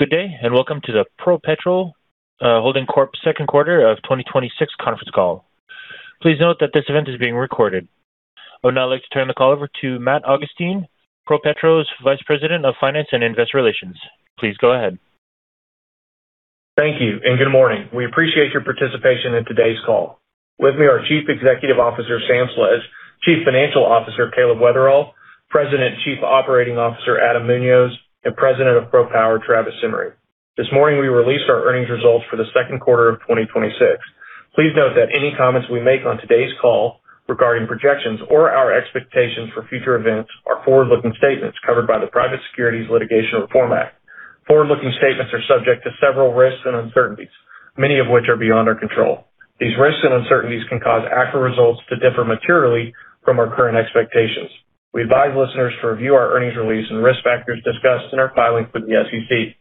Good day. Welcome to the ProPetro Holding Corp. second quarter of 2026 conference call. Please note that this event is being recorded. I would now like to turn the call over to Matt Augustine, ProPetro's Vice President of Finance and Investor Relations. Please go ahead. Thank you. Good morning. We appreciate your participation in today's call. With me are Chief Executive Officer, Sam Sledge, Chief Financial Officer, Caleb Weatherl, President and Chief Operating Officer, Adam Munoz, and President of PROPWR, Travis Simmering. This morning, we released our earnings results for the second quarter of 2026. Please note that any comments we make on today's call regarding projections or our expectations for future events are forward-looking statements covered by the Private Securities Litigation Reform Act. Forward-looking statements are subject to several risks and uncertainties, many of which are beyond our control. These risks and uncertainties can cause actual results to differ materially from our current expectations. We advise listeners to review our earnings release and risk factors discussed in our filings with the SEC.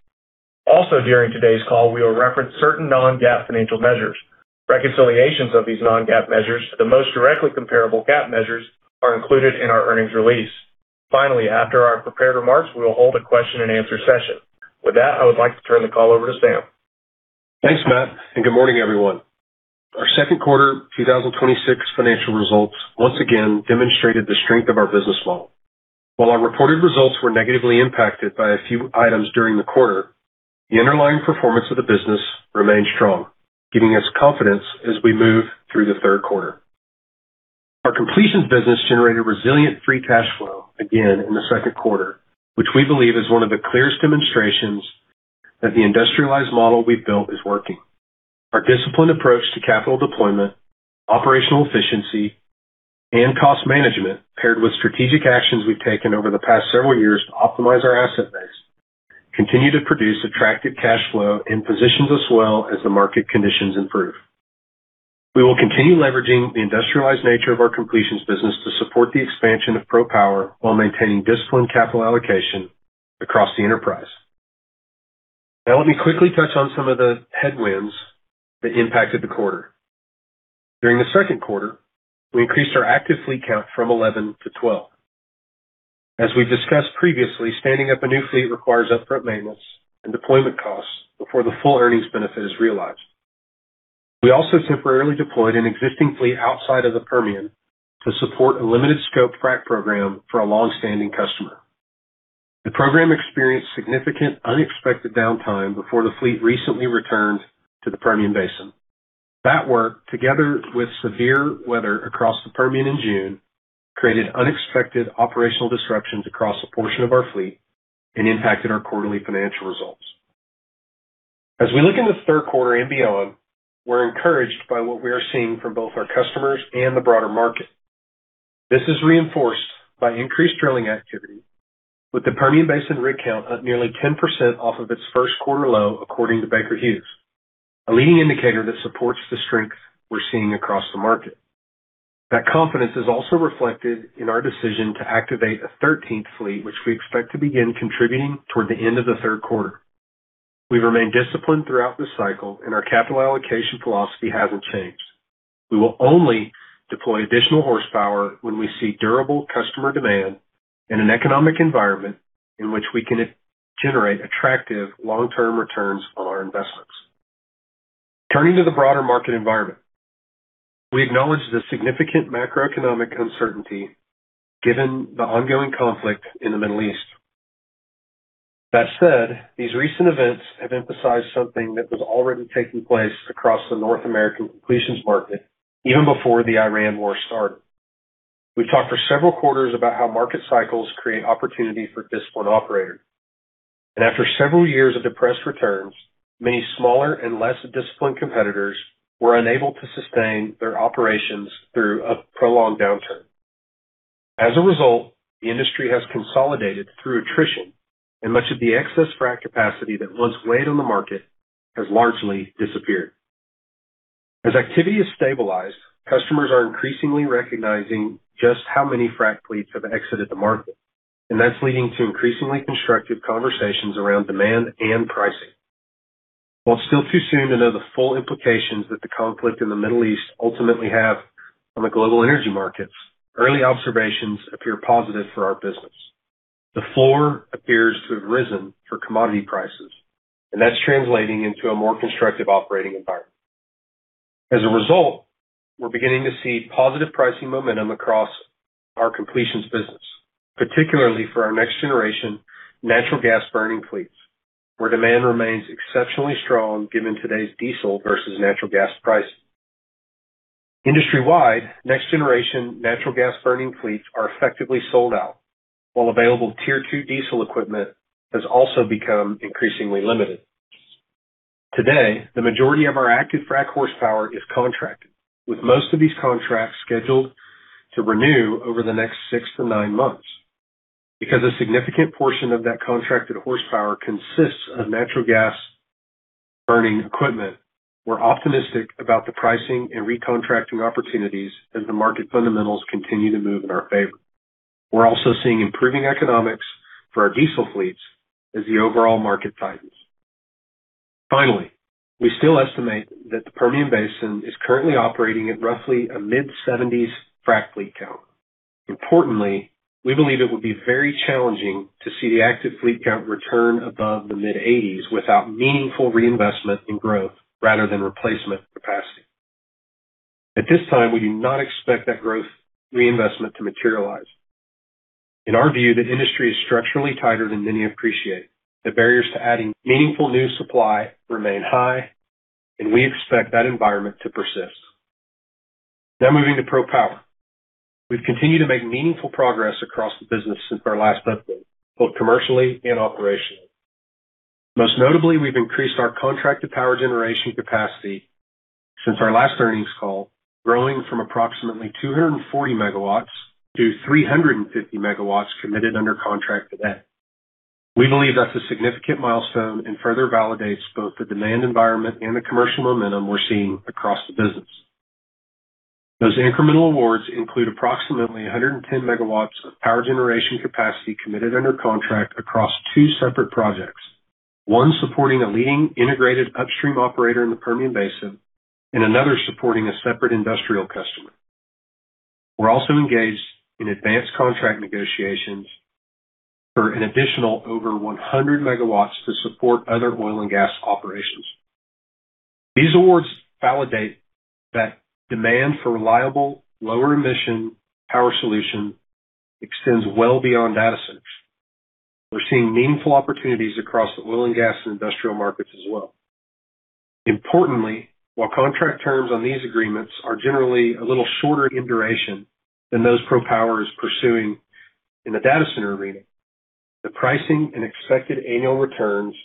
Also, during today's call, we will reference certain non-GAAP financial measures. Reconciliations of these non-GAAP measures to the most directly comparable GAAP measures are included in our earnings release. Finally, after our prepared remarks, we will hold a question-and-answer session. With that, I would like to turn the call over to Sam. Thanks, Matt. Good morning, everyone. Our second quarter 2026 financial results once again demonstrated the strength of our business model. While our reported results were negatively impacted by a few items during the quarter, the underlying performance of the business remained strong, giving us confidence as we move through the third quarter. Our completions business generated resilient free cash flow again in the second quarter, which we believe is one of the clearest demonstrations that the industrialized model we've built is working. Our disciplined approach to capital deployment, operational efficiency, and cost management, paired with strategic actions we've taken over the past several years to optimize our asset base, continue to produce attractive cash flow and positions us well as the market conditions improve. We will continue leveraging the industrialized nature of our completions business to support the expansion of PROPWR while maintaining disciplined capital allocation across the enterprise. Now, let me quickly touch on some of the headwinds that impacted the quarter. During the second quarter, we increased our active fleet count from 11-12. As we've discussed previously, standing up a new fleet requires upfront maintenance and deployment costs before the full earnings benefit is realized. We also temporarily deployed an existing fleet outside of the Permian to support a limited scope frac program for a longstanding customer. The program experienced significant unexpected downtime before the fleet recently returned to the Permian Basin. That work, together with severe weather across the Permian in June, created unexpected operational disruptions across a portion of our fleet and impacted our quarterly financial results. As we look in the third quarter and beyond, we're encouraged by what we are seeing from both our customers and the broader market. This is reinforced by increased drilling activity, with the Permian Basin rig count up nearly 10% off of its first quarter low, according to Baker Hughes, a leading indicator that supports the strength we're seeing across the market. That confidence is also reflected in our decision to activate a 13th fleet, which we expect to begin contributing toward the end of the third quarter. We remain disciplined throughout this cycle, and our capital allocation philosophy hasn't changed. We will only deploy additional horsepower when we see durable customer demand in an economic environment in which we can generate attractive long-term returns on our investments. Turning to the broader market environment, we acknowledge the significant macroeconomic uncertainty given the ongoing conflict in the Middle East. That said, these recent events have emphasized something that was already taking place across the North American completions market even before the Iran war started. We've talked for several quarters about how market cycles create opportunities for disciplined operators. After several years of depressed returns, many smaller and less disciplined competitors were unable to sustain their operations through a prolonged downturn. As a result, the industry has consolidated through attrition, and much of the excess frac capacity that once weighed on the market has largely disappeared. As activity has stabilized, customers are increasingly recognizing just how many frac fleets have exited the market, and that's leading to increasingly constructive conversations around demand and pricing. While it's still too soon to know the full implications that the conflict in the Middle East ultimately have on the global energy markets, early observations appear positive for our business. The floor appears to have risen for commodity prices, and that's translating into a more constructive operating environment. As a result, we're beginning to see positive pricing momentum across our completions business, particularly for our next-generation natural gas-burning fleets, where demand remains exceptionally strong given today's diesel versus natural gas pricing. Industry-wide, next-generation natural gas-burning fleets are effectively sold out, while available tier 2 diesel equipment has also become increasingly limited. Today, the majority of our active frac horsepower is contracted, with most of these contracts scheduled to renew over the next six to nine months. Because a significant portion of that contracted horsepower consists of natural gas-burning equipment, we're optimistic about the pricing and recontracting opportunities as the market fundamentals continue to move in our favor. We're also seeing improving economics for our diesel fleets as the overall market tightens. Finally, we still estimate that the Permian Basin is currently operating at roughly a mid-70s frac fleet count. Importantly, we believe it would be very challenging to see the active fleet count return above the mid-80s without meaningful reinvestment in growth rather than replacement capacity. At this time, we do not expect that growth reinvestment to materialize. In our view, the industry is structurally tighter than many appreciate. The barriers to adding meaningful new supply remain high, and we expect that environment to persist. Moving to PROPWR. We've continued to make meaningful progress across the business since our last update, both commercially and operationally. Most notably, we've increased our contracted power generation capacity since our last earnings call, growing from approximately 240 MW to 350 MW committed under contract today. We believe that's a significant milestone and further validates both the demand environment and the commercial momentum we're seeing across the business. Those incremental awards include approximately 110 MW of power generation capacity committed under contract across two separate projects, one supporting a leading integrated upstream operator in the Permian Basin and another supporting a separate industrial customer. We're also engaged in advanced contract negotiations for an additional over 100 MW to support other oil and gas operations. These awards validate that demand for reliable, lower emission power solution extends well beyond data centers. We're seeing meaningful opportunities across the oil and gas and industrial markets as well. Importantly, while contract terms on these agreements are generally a little shorter in duration than those PROPWR is pursuing in the data center arena, the pricing and expected annual returns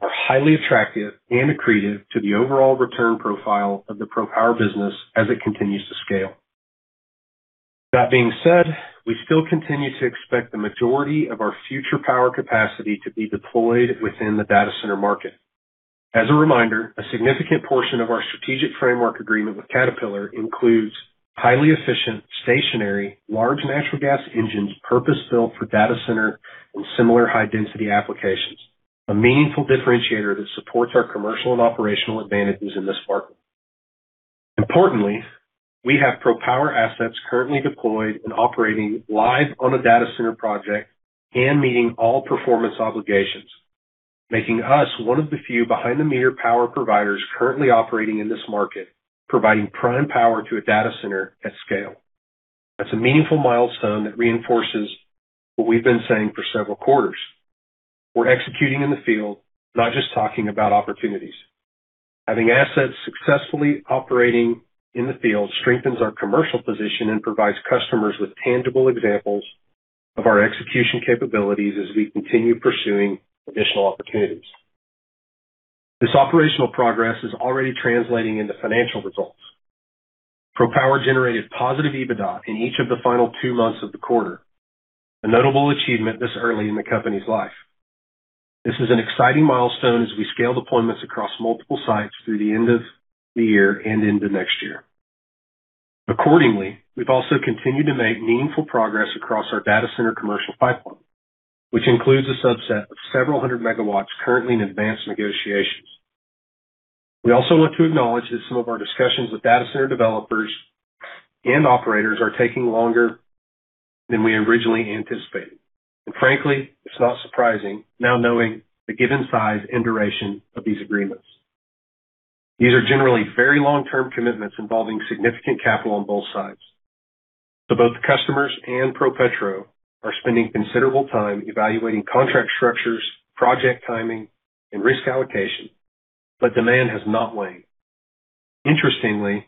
are highly attractive and accretive to the overall return profile of the PROPWR business as it continues to scale. That being said, we still continue to expect the majority of our future power capacity to be deployed within the data center market. As a reminder, a significant portion of our strategic framework agreement with Caterpillar includes highly efficient, stationary, large natural gas engines purpose-built for data center and similar high-density applications, a meaningful differentiator that supports our commercial and operational advantages in this market. Importantly, we have PROPWR assets currently deployed and operating live on a data center project and meeting all performance obligations, making us one of the few behind-the-meter power providers currently operating in this market, providing prime power to a data center at scale. That's a meaningful milestone that reinforces what we've been saying for several quarters. We're executing in the field, not just talking about opportunities. Having assets successfully operating in the field strengthens our commercial position and provides customers with tangible examples of our execution capabilities as we continue pursuing additional opportunities. This operational progress is already translating into financial results. PROPWR generated positive EBITDA in each of the final two months of the quarter, a notable achievement this early in the company's life. This is an exciting milestone as we scale deployments across multiple sites through the end of the year and into next year. Accordingly, we've also continued to make meaningful progress across our data center commercial pipeline, which includes a subset of several hundred megawatts currently in advanced negotiations. Frankly, it's not surprising now knowing the given size and duration of these agreements. These are generally very long-term commitments involving significant capital on both sides. Both customers and ProPetro are spending considerable time evaluating contract structures, project timing, and risk allocation, demand has not waned. Interestingly,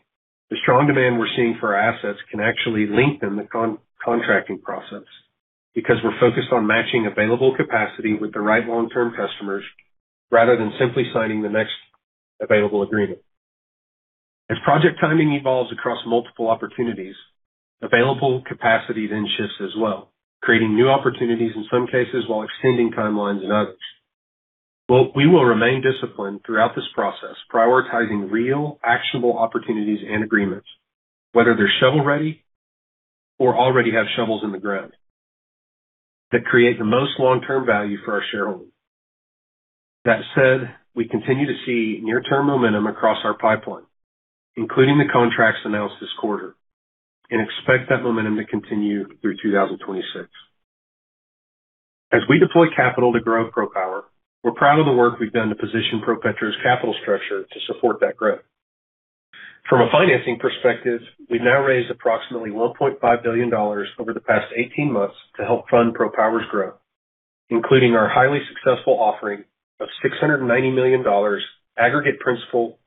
the strong demand we're seeing for our assets can actually lengthen the contracting process because we're focused on matching available capacity with the right long-term customers rather than simply signing the next available agreement. As project timing evolves across multiple opportunities, available capacity shifts as well, creating new opportunities in some cases while extending timelines in others. We will remain disciplined throughout this process, prioritizing real actionable opportunities and agreements, whether they're shovel-ready or already have shovels in the ground that create the most long-term value for our shareholders. That said, we continue to see near-term momentum across our pipeline, including the contracts announced this quarter, and expect that momentum to continue through 2026. As we deploy capital to grow PROPWR, we're proud of the work we've done to position ProPetro's capital structure to support that growth. From a financing perspective, we've now raised approximately $1.5 billion over the past 18 months to help fund PROPWR's growth, including our highly successful offering of $690 million aggregate principal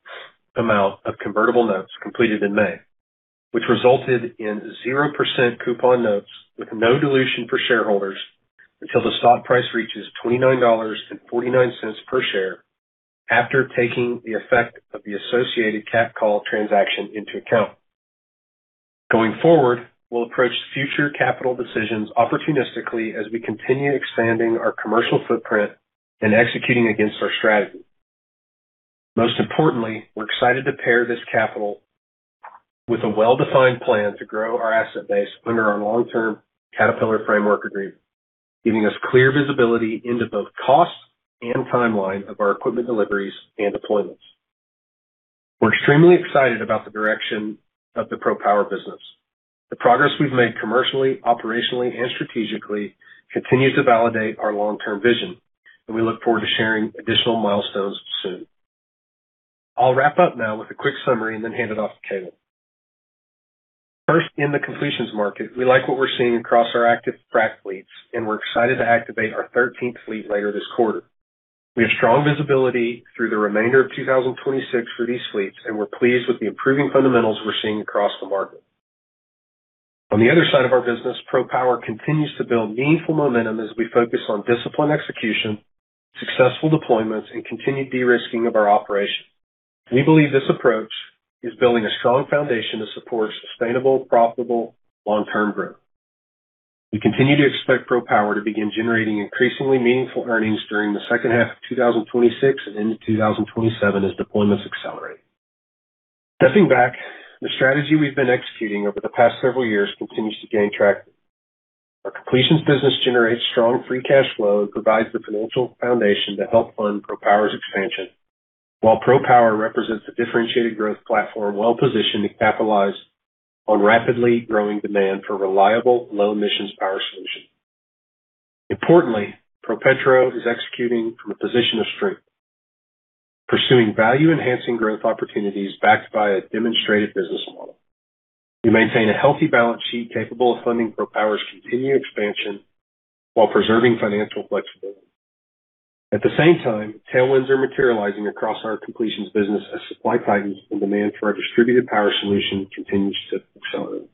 amount of convertible notes completed in May, which resulted in 0% coupon notes with no dilution for shareholders until the stock price reaches $29.49 per share after taking the effect of the associated capped call transaction into account. Going forward, we'll approach future capital decisions opportunistically as we continue expanding our commercial footprint and executing against our strategy. Most importantly, we're excited to pair this capital with a well-defined plan to grow our asset base under our long-term Caterpillar framework agreement, giving us clear visibility into both costs and timeline of our equipment deliveries and deployments. We're extremely excited about the direction of the PROPWR business. The progress we've made commercially, operationally, and strategically continues to validate our long-term vision, and we look forward to sharing additional milestones soon. I'll wrap up now with a quick summary and then hand it off to Caleb. First, in the completions market, we like what we're seeing across our active frac fleets, and we're excited to activate our 13th fleet later this quarter. We have strong visibility through the remainder of 2026 for these fleets, and we're pleased with the improving fundamentals we're seeing across the market. On the other side of our business, PROPWR continues to build meaningful momentum as we focus on disciplined execution, successful deployments, and continued de-risking of our operations. We believe this approach is building a strong foundation to support sustainable, profitable, long-term growth. We continue to expect PROPWR to begin generating increasingly meaningful earnings during the second half of 2026 and into 2027 as deployments accelerate. Stepping back, the strategy we've been executing over the past several years continues to gain traction. Our completions business generates strong free cash flow and provides the financial foundation to help fund PROPWR's expansion, while PROPWR represents a differentiated growth platform well-positioned to capitalize on rapidly growing demand for reliable, low-emissions power solutions. Importantly, ProPetro is executing from a position of strength, pursuing value-enhancing growth opportunities backed by a demonstrated business model. We maintain a healthy balance sheet capable of funding PROPWR's continued expansion while preserving financial flexibility. At the same time, tailwinds are materializing across our completions business as supply tightens and demand for our distributed power solution continues to accelerate.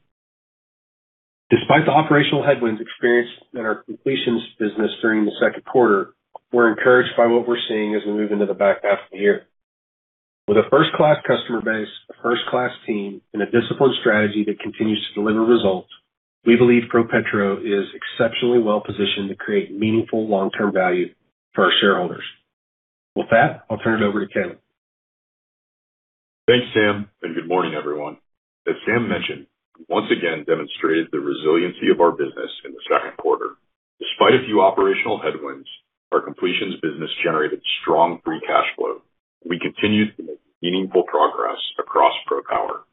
Despite the operational headwinds experienced in our completions business during the second quarter, we're encouraged by what we're seeing as we move into the back half of the year. With a first-class customer base, a first-class team, and a disciplined strategy that continues to deliver results, we believe ProPetro is exceptionally well-positioned to create meaningful long-term value for our shareholders. With that, I'll turn it over to Caleb. Thanks, Sam, and good morning, everyone. As Sam mentioned, we once again demonstrated the resiliency of our business in the second quarter. Despite a few operational headwinds, our completions business generated strong free cash flow. We continue to make meaningful progress across PROPWR.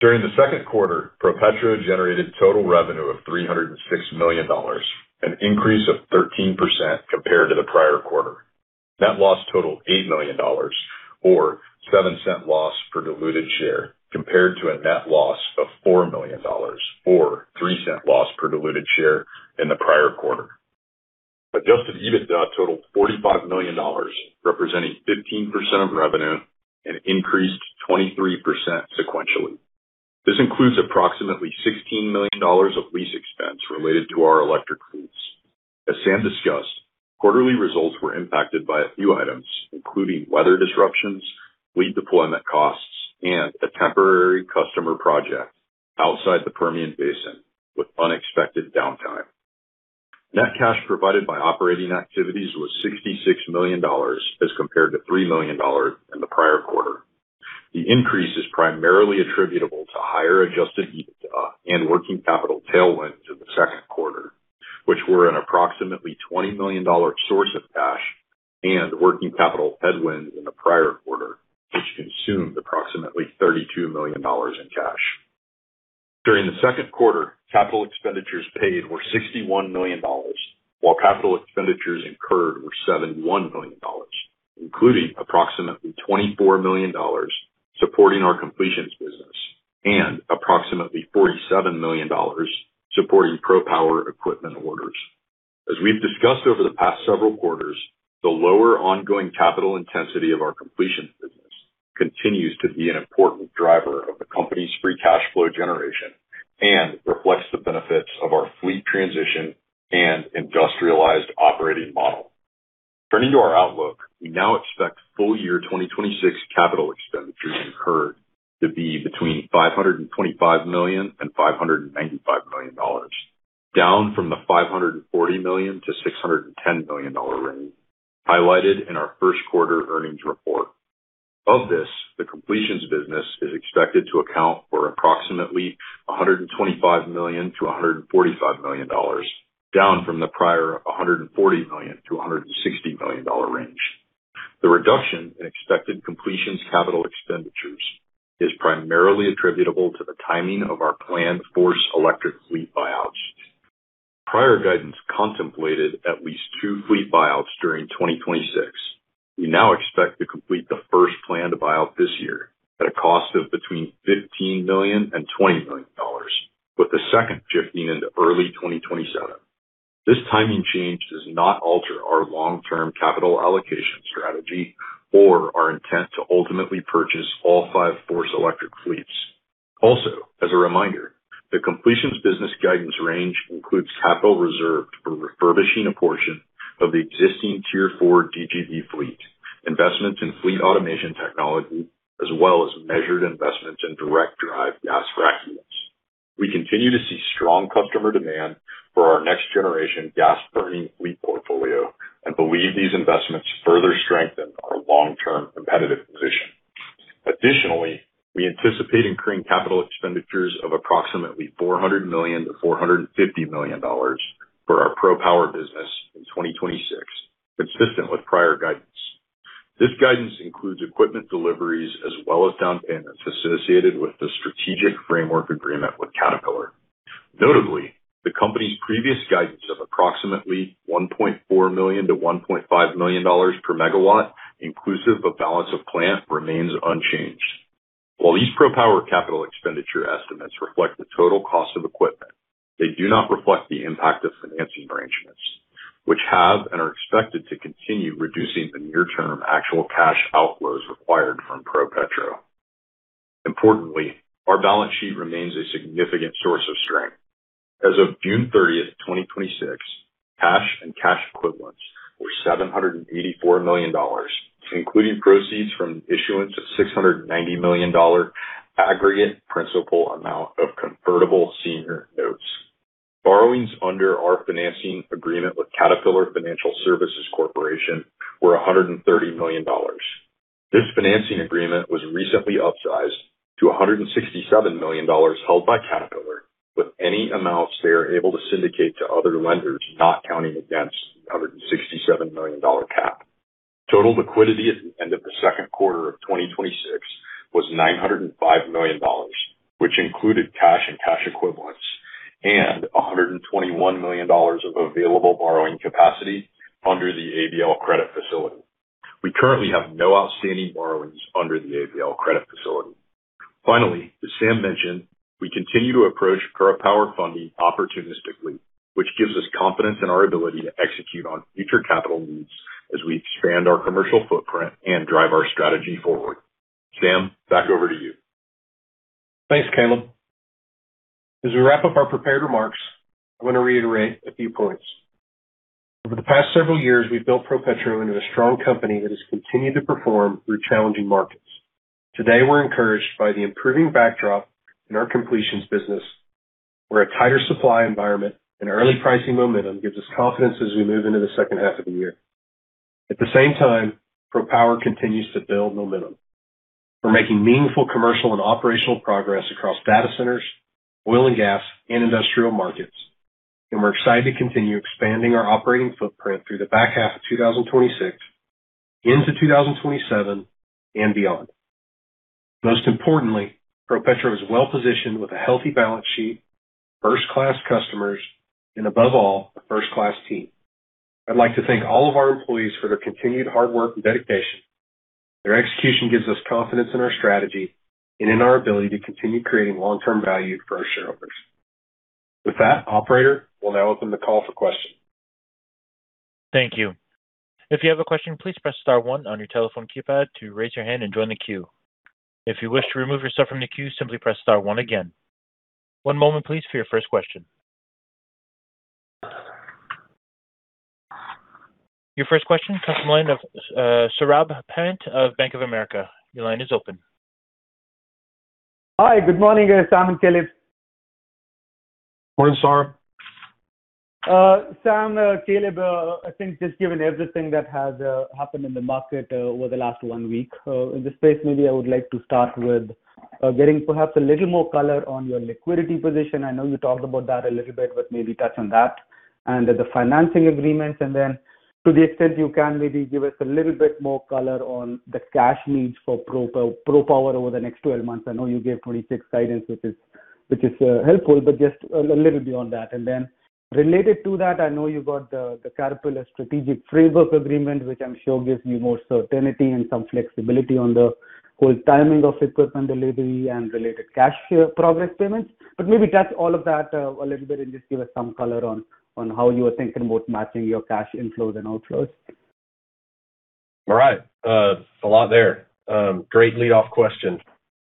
During the second quarter, ProPetro generated total revenue of $306 million, an increase of 13% compared to the prior quarter. Net loss totaled $8 million or $0.07 loss per diluted share, compared to a net loss of $4 million or $0.03 loss per diluted share in the prior quarter. Adjusted EBITDA totaled $45 million, representing 15% of revenue and increased 23% sequentially. This includes approximately $16 million of lease expense related to our electric fleets. As Sam discussed, quarterly results were impacted by a few items, including weather disruptions, fleet deployment costs, and a temporary customer project outside the Permian Basin with unexpected downtime. Net cash provided by operating activities was $66 million as compared to $3 million in the prior quarter. The increase is primarily attributable to higher Adjusted EBITDA and working capital tailwinds in the second quarter, which were an approximately $20 million source of cash and working capital headwinds in the prior quarter, which consumed approximately $32 million in cash. During the second quarter, capital expenditures paid were $61 million while capital expenditures incurred were $71 million, including approximately $24 million supporting our completions business and approximately $47 million supporting PROPWR equipment orders. As we've discussed over the past several quarters, the lower ongoing capital intensity of our completions business continues to be an important driver of the company's free cash flow generation and reflects the benefits of our fleet transition and industrialized operating model. Turning to our outlook, we now expect full-year 2026 capital expenditures incurred to be between $525 million and $595 million, down from the $540 million-$610 million range highlighted in our first quarter earnings report. Of this, the completions business is expected to account for approximately $125 million-$145 million, down from the prior $140 million-$160 million range. The reduction in expected completions capital expenditures is primarily attributable to the timing of our planned FORCE electric fleet buyouts. Prior guidance contemplated at least two fleet buyouts during 2026. We now expect to complete the first planned buyout this year at a cost of between $15 million and $20 million, with the second shifting into early 2027. This timing change does not alter our long-term capital allocation strategy or our intent to ultimately purchase all five FORCE electric fleets. Also, as a reminder, the completions business guidance range includes capital reserved for refurbishing a portion of the existing Tier 4 DGB fleet, investments in fleet automation technology, as well as measured investments in direct drive gas fracking. We continue to see strong customer demand for our next-generation gas-burning fleet portfolio and believe these investments further strengthen our long-term competitive position. We anticipate incurring capital expenditures of approximately $400 million-$450 million for our PROPWR business in 2026, consistent with prior guidance. This guidance includes equipment deliveries as well as down payments associated with the strategic framework agreement with Caterpillar. Notably, the company's previous guidance of approximately $1.4 million-$1.5 million per megawatt, inclusive of balance of plant, remains unchanged. While these PROPWR capital expenditure estimates reflect the total cost of equipment, they do not reflect the impact of financing arrangements, which have and are expected to continue reducing the near-term actual cash outflows required from ProPetro. Importantly, our balance sheet remains a significant source of strength. As of June 30th, 2026, cash and cash equivalents were $784 million, including proceeds from the issuance of $690 million aggregate principal amount of convertible senior notes. Borrowings under our financing agreement with Caterpillar Financial Services Corporation were $130 million. This financing agreement was recently upsized to $167 million held by Caterpillar, with any amounts they are able to syndicate to other lenders not counting against the $167 million cap. Total liquidity at the end of the second quarter of 2026 was $905 million, which included cash and cash equivalents and $121 million of available borrowing capacity under the ABL credit facility. We currently have no outstanding borrowings under the ABL credit facility. As Sam mentioned, we continue to approach PROPWR funding opportunistically, which gives us confidence in our ability to execute on future capital needs as we expand our commercial footprint and drive our strategy forward. Sam, back over to you. Thanks, Caleb. As we wrap up our prepared remarks, I want to reiterate a few points. Over the past several years, we've built ProPetro into a strong company that has continued to perform through challenging markets. Today, we're encouraged by the improving backdrop in our completions business, where a tighter supply environment and early pricing momentum gives us confidence as we move into the second half of the year. At the same time, PROPWR continues to build momentum. We're making meaningful commercial and operational progress across data centers, oil and gas, and industrial markets, and we're excited to continue expanding our operating footprint through the back half of 2026, into 2027, and beyond. Most importantly, ProPetro is well-positioned with a healthy balance sheet, first-class customers, and above all, a first-class team. I'd like to thank all of our employees for their continued hard work and dedication. Their execution gives us confidence in our strategy and in our ability to continue creating long-term value for our shareholders. With that, operator, we will now open the call for questions. Thank you. If you have a question, please press star one on your telephone keypad to raise your hand and join the queue. If you wish to remove yourself from the queue, simply press star one again. One moment, please, for your first question. Your first question comes from the line of Saurabh Pant of Bank of America. Your line is open. Hi, good morning, Sam and Caleb. Morning, Saurabh. Sam, Caleb, I think just given everything that has happened in the market over the last one week, in this space, maybe I would like to start with getting perhaps a little more color on your liquidity position. I know you talked about that a little bit, but maybe touch on that and the financing agreements. To the extent you can maybe give us a little bit more color on the cash needs for PROPWR over the next 12 months. I know you gave 2026 guidance, which is helpful, but just a little beyond that. Related to that, I know you got the Caterpillar strategic framework agreement, which I'm sure gives you more certainty and some flexibility on the whole timing of equipment delivery and related cash progress payments. Maybe touch all of that a little bit and just give us some color on how you are thinking about matching your cash inflows and outflows. All right. A lot there. Great lead off question.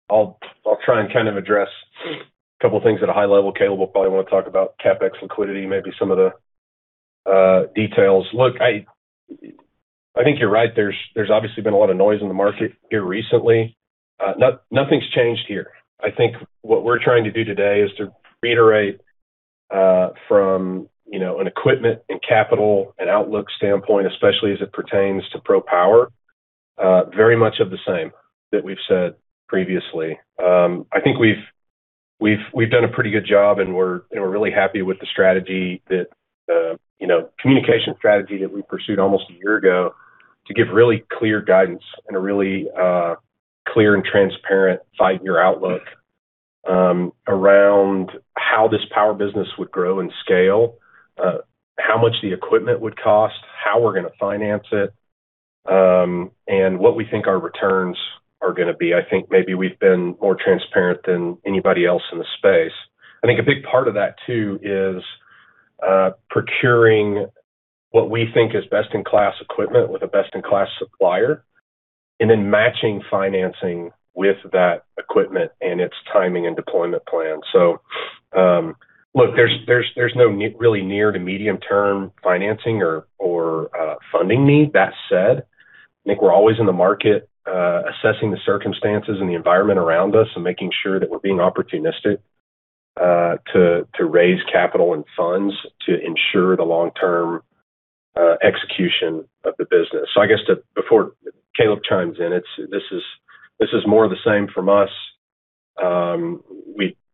I'll try and kind of address a couple of things at a high level. Caleb will probably want to talk about CapEx liquidity, maybe some of the details. Look, I think you're right. There's obviously been a lot of noise in the market here recently. Nothing's changed here. I think what we're trying to do today is to reiterate, from an equipment and capital and outlook standpoint, especially as it pertains to PROPWR, very much of the same that we've said previously. I think we've done a pretty good job and we're really happy with the communication strategy that we pursued almost a year ago to give really clear guidance and a really clear and transparent five-year outlook around how this power business would grow and scale, how much the equipment would cost, how we're going to finance it, and what we think our returns are going to be. I think maybe we've been more transparent than anybody else in the space. I think a big part of that too is procuring what we think is best-in-class equipment with a best-in-class supplier, and then matching financing with that equipment and its timing and deployment plan. Look, there's no really near to medium-term financing or funding need. That said I think we're always in the market, assessing the circumstances and the environment around us and making sure that we're being opportunistic to raise capital and funds to ensure the long-term execution of the business. I guess before Caleb chimes in, this is more of the same from us.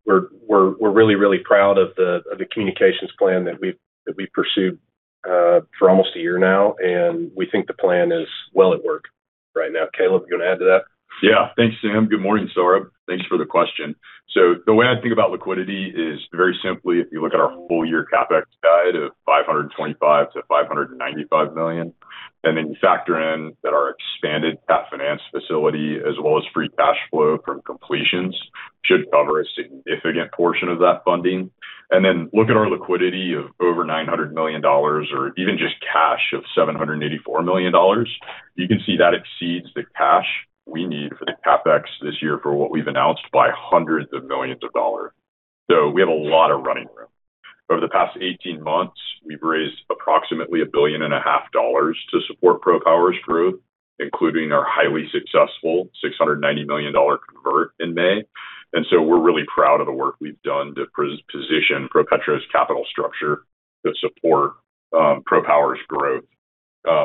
We're really, really proud of the communications plan that we've pursued for almost a year now, and we think the plan is well at work right now. Caleb, you want to add to that? Yeah. Thanks, Sam. Good morning, Saurabh. Thanks for the question. The way I think about liquidity is very simply, if you look at our full-year CapEx guide of $525 million-$595 million, then you factor in that our expanded Cat Financial facility as well as free cash flow from completions should cover a significant portion of that funding. Look at our liquidity of over $900 million or even just cash of $784 million. You can see that exceeds the cash we need for the CapEx this year for what we've announced by hundreds of millions of dollars. We have a lot of running room. Over the past 18 months, we've raised approximately a billion and a half dollars to support PROPWR's growth, including our highly successful $690 million convert in May. We're really proud of the work we've done to position ProPetro's capital structure to support PROPWR's growth.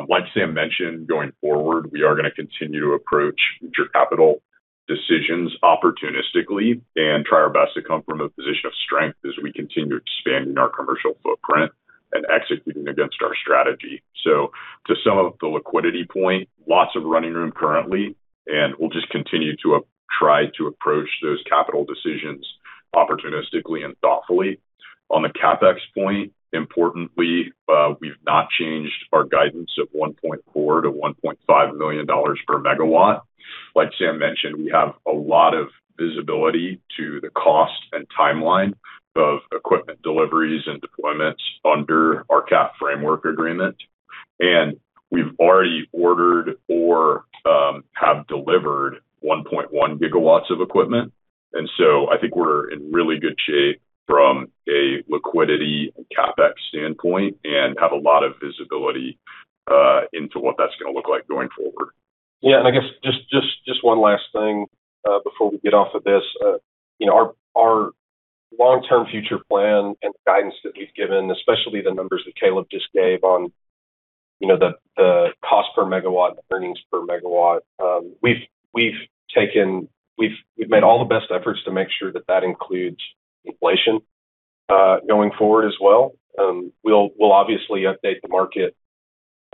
Like Sam mentioned, going forward, we are going to continue to approach future capital decisions opportunistically and try our best to come from a position of strength as we continue expanding our commercial footprint and executing against our strategy. To sum up the liquidity point, lots of running room currently, and we'll just continue to try to approach those capital decisions opportunistically and thoughtfully. On the CapEx point, importantly, we've not changed our guidance of $1.4 million-$1.5 million per megawatt. Like Sam mentioned, we have a lot of visibility to the cost and timeline of equipment deliveries and deployments under our Cat Financial framework agreement. We've already ordered or have delivered 1.1 GW of equipment. I think we're in really good shape from a liquidity and CapEx standpoint and have a lot of visibility into what that's going to look like going forward. Yeah, I guess just one last thing before we get off of this. Our long-term future plan and the guidance that we've given, especially the numbers that Caleb just gave on the cost per megawatt and earnings per megawatt. We've made all the best efforts to make sure that includes inflation, going forward as well. We'll obviously update the market,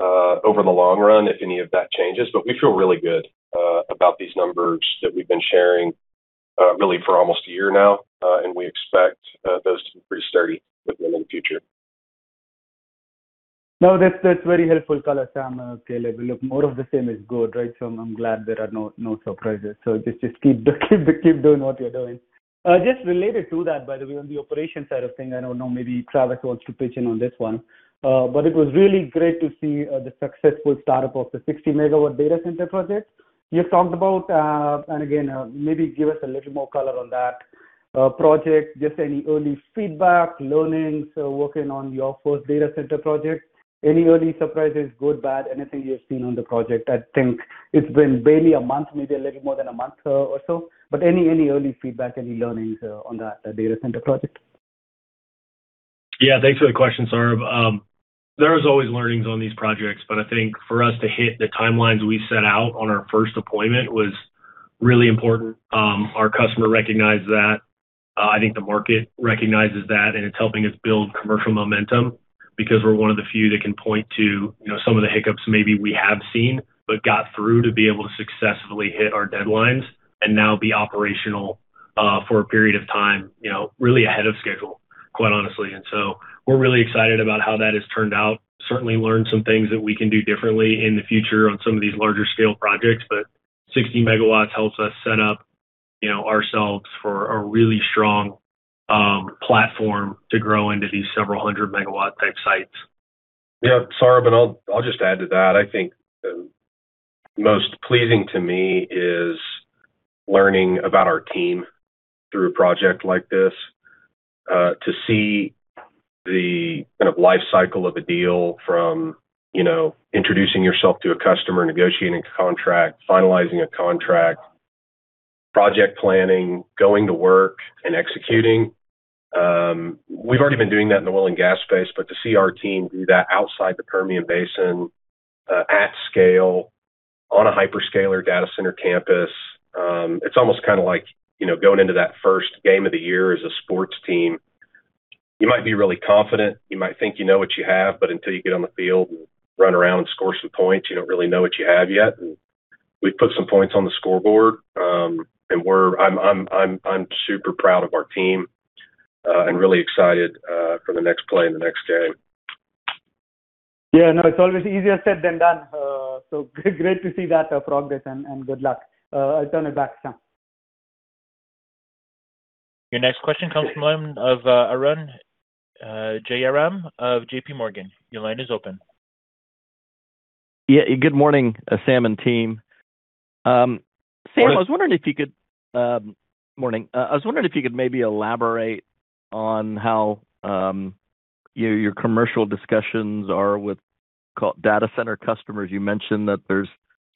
over the long run if any of that changes, but we feel really good about these numbers that we've been sharing really for almost a year now. We expect those to be pretty sturdy with them in the future. No, that's very helpful color, Sam and Caleb. Look, more of the same is good, right? I'm glad there are no surprises. Just keep doing what you're doing. Just related to that, by the way, on the operations side of things, I don't know, maybe Travis wants to pitch in on this one. It was really great to see the successful startup of the 60-MW data center project you talked about. Again, maybe give us a little more color on that project. Just any early feedback, learnings, working on your first data center project, any early surprises, good, bad, anything you've seen on the project? I think it's been barely a month, maybe a little more than a month or so, but any early feedback, any learnings on that data center project? Yeah, thanks for the question, Saurabh. There is always learnings on these projects, but I think for us to hit the timelines we set out on our first appointment was really important. Our customer recognized that. I think the market recognizes that, and it's helping us build commercial momentum because we're one of the few that can point to some of the hiccups maybe we have seen, but got through to be able to successfully hit our deadlines and now be operational for a period of time really ahead of schedule, quite honestly. We're really excited about how that has turned out. Certainly learned some things that we can do differently in the future on some of these larger-scale projects, but 60 MW helps us set up ourselves for a really strong platform to grow into these several hundred-megawatt type sites. Yeah, Saurabh, I'll just add to that. I think the most pleasing to me is learning about our team through a project like this. To see the kind of life cycle of a deal from introducing yourself to a customer, negotiating a contract, finalizing a contract, project planning, going to work and executing. We've already been doing that in the oil and gas space, but to see our team do that outside the Permian Basin, at scale, on a hyperscaler data center campus, it's almost like going into that first game of the year as a sports team. You might be really confident, you might think you know what you have, but until you get on the field and run around and score some points, you don't really know what you have yet. We've put some points on the scoreboard. I'm super proud of our team, and really excited for the next play and the next game. Yeah. No, it's always easier said than done. Great to see that progress and good luck. I'll turn it back to Sam. Your next question comes from the line of Arun Jayaram of JPMorgan. Your line is open. Yeah. Good morning, Sam and team. Sam, I was wondering if you could maybe elaborate on how your commercial discussions are with data center customers. You mentioned that there's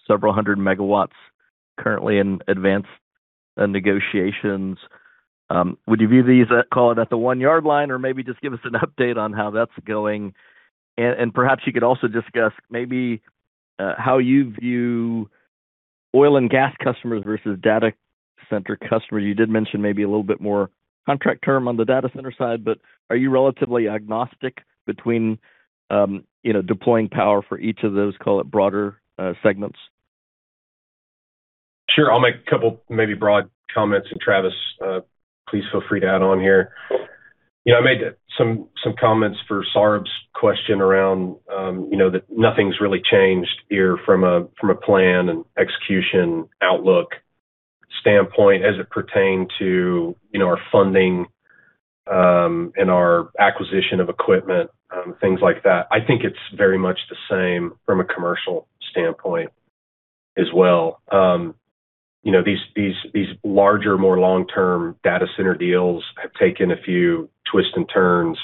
several hundred megawatts currently in advanced negotiations. Would you view these at, call it, at the one-yard line? Maybe just give us an update on how that's going. Perhaps you could also discuss maybe how you view oil and gas customers versus data center customers. You did mention maybe a little bit more contract term on the data center side, but are you relatively agnostic between deploying power for each of those, call it, broader segments? Sure. I'll make a couple, maybe broad comments. Travis, please feel free to add on here. I made some comments for Saurabh's question around that nothing's really changed here from a plan and execution outlook standpoint as it pertained to our funding, and our acquisition of equipment, things like that. I think it's very much the same from a commercial standpoint as well. These larger, more long-term data center deals have taken a few twists and turns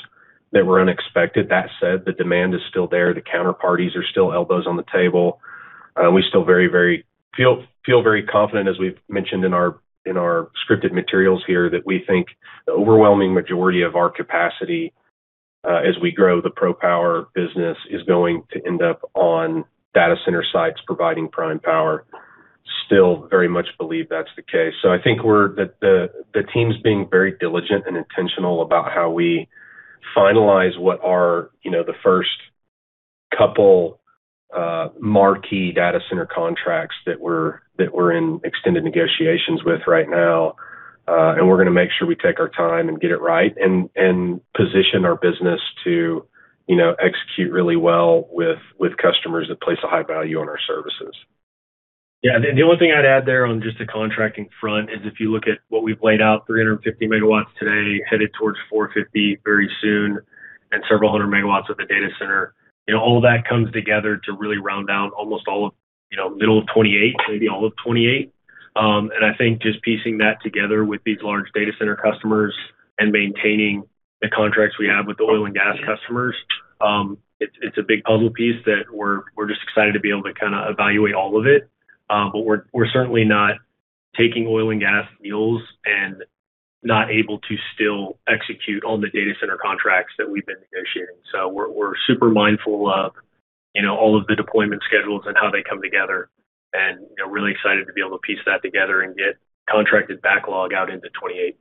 that were unexpected. That said, the demand is still there. The counterparties are still elbows on the table. We still feel very confident, as we've mentioned in our scripted materials here, that we think the overwhelming majority of our capacity, as we grow the PROPWR business, is going to end up on data center sites providing prime power. Still very much believe that's the case. I think the team's being very diligent and intentional about how we finalize what are the first couple marquee data center contracts that we're in extended negotiations with right now. We're going to make sure we take our time and get it right and position our business to execute really well with customers that place a high value on our services. Yeah, the only thing I'd add there on just the contracting front is if you look at what we've laid out, 350 MW today, headed towards 450 MW very soon, and several hundred megawatts at the data center. All that comes together to really round down almost all of middle of 2028, maybe all of 2028. I think just piecing that together with these large data center customers and maintaining the contracts we have with the oil and gas customers, it's a big puzzle piece that we're just excited to be able to kind of evaluate all of it. We're certainly not taking oil and gas deals and not able to still execute on the data center contracts that we've been negotiating. We're super mindful of all of the deployment schedules and how they come together and really excited to be able to piece that together and get contracted backlog out into 2028.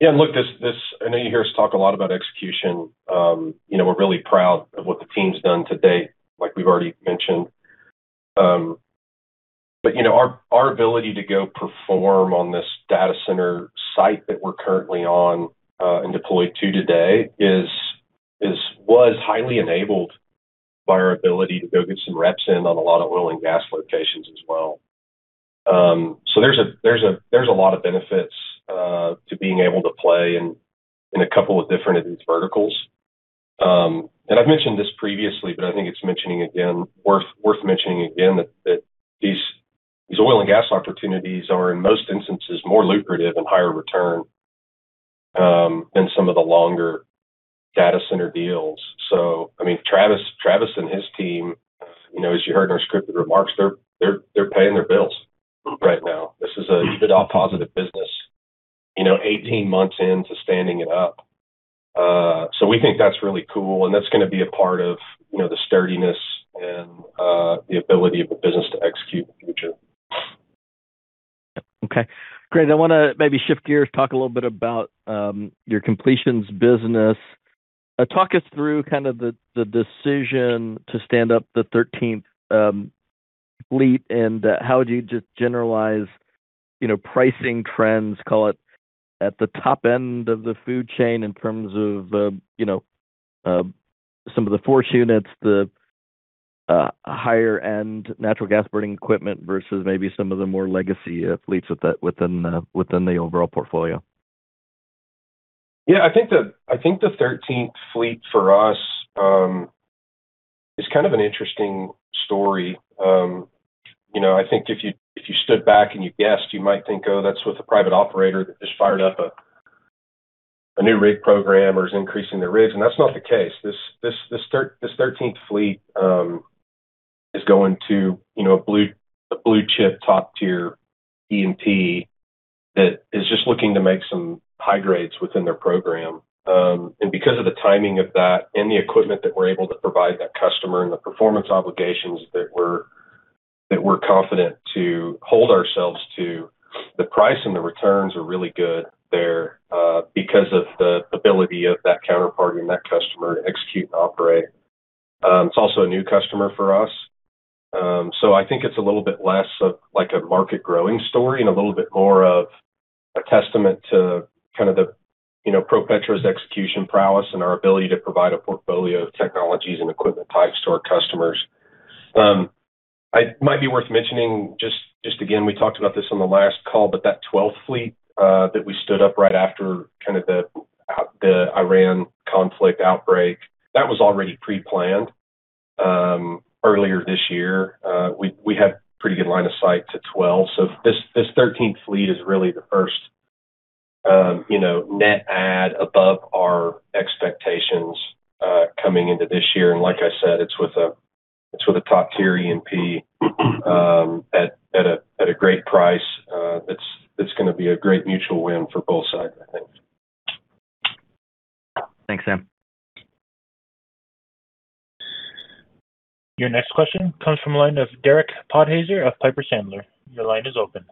Yeah. Look, I know you hear us talk a lot about execution. We're really proud of what the team's done to date, like we've already mentioned. Our ability to go perform on this data center site that we're currently on, and deployed to today was highly enabled by our ability to go get some reps in on a lot of oil and gas locations as well. There's a lot of benefits to being able to play in a couple of different of these verticals. I've mentioned this previously, but I think it's worth mentioning again that these oil and gas opportunities are, in most instances, more lucrative and higher return than some of the longer data center deals. Travis and his team, as you heard in our scripted remarks, they're paying their bills right now. This is a EBITDA positive business 18 months in to standing it up. We think that's really cool, and that's going to be a part of the sturdiness and the ability of a business to execute in the future. Okay, great. I want to maybe shift gears, talk a little bit about your completions business. Talk us through kind of the decision to stand up the 13th fleet, and how would you just generalize pricing trends, call it, at the top end of the food chain in terms of some of the fourth units, the higher-end natural gas burning equipment versus maybe some of the more legacy fleets within the overall portfolio? Yeah, I think the 13th fleet for us is kind of an interesting story. I think if you stood back and you guessed, you might think, "Oh, that's with a private operator that just fired up a new rig program or is increasing their rigs." That's not the case. This 13th fleet is going to a blue-chip, top-tier E&P that is just looking to make some high grades within their program. Because of the timing of that and the equipment that we're able to provide that customer and the performance obligations that we're confident to hold ourselves to, the price and the returns are really good there because of the ability of that counterparty and that customer to execute and operate. It's also a new customer for us. I think it's a little bit less of a market-growing story and a little bit more of a testament to kind of ProPetro's execution prowess and our ability to provide a portfolio of technologies and equipment types to our customers. It might be worth mentioning, just again, we talked about this on the last call, but that 12th fleet that we stood up right after kind of the Iran conflict outbreak, that was already pre-planned earlier this year. We had pretty good line of sight to 12. This 13th fleet is really the first net add above our expectations coming into this year. Like I said, it's with a top-tier E&P at a great price. It's going to be a great mutual win for both sides, I think. Thanks, Sam. Your next question comes from the line of Derek Podhaizer of Piper Sandler. Your line is open.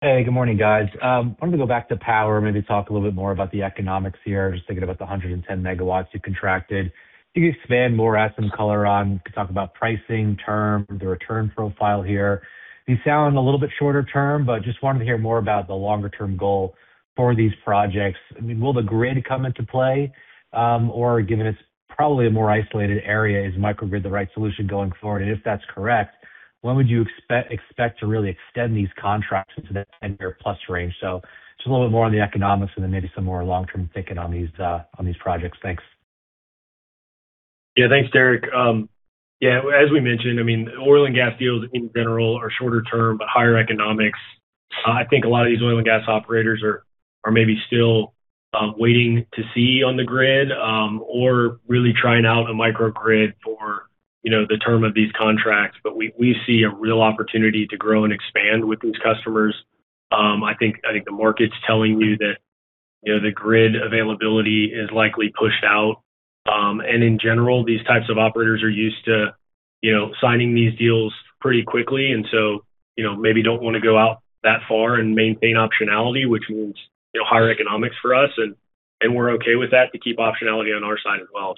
Hey, good morning, guys. Wanted to go back to power, maybe talk a little bit more about the economics here. Just thinking about the 110 MW you contracted. Can you expand more, add some color on, talk about pricing term, the return profile here? These sound a little bit shorter term, but just wanted to hear more about the longer-term goal for these projects. Will the grid come into play? Or given it's probably a more isolated area, is microgrid the right solution going forward? If that's correct, when would you expect to really extend these contracts into the 10-year-plus range? Just a little bit more on the economics and then maybe some more long-term thinking on these projects. Thanks. Thanks, Derek. As we mentioned, oil and gas deals in general are shorter term, but higher economics. I think a lot of these oil and gas operators are maybe still waiting to see on the grid or really trying out a microgrid for the term of these contracts. We see a real opportunity to grow and expand with these customers. I think the market's telling you that the grid availability is likely pushed out. In general, these types of operators are used to signing these deals pretty quickly, maybe don't want to go out that far and maintain optionality, which means higher economics for us, and we're okay with that to keep optionality on our side as well.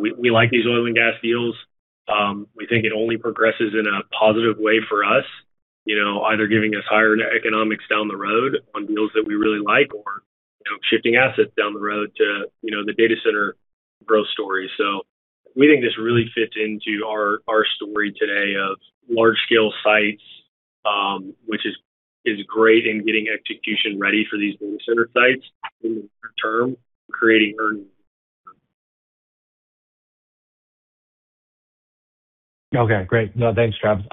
We like these oil and gas deals. We think it only progresses in a positive way for us, either giving us higher economics down the road on deals that we really like or shifting assets down the road to the data center growth story. We think this really fits into our story today of large-scale sites, which is great in getting execution ready for these data center sites in the near term, creating earnings. Okay, great. No, thanks, Travis.